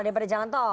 daripada jalan tol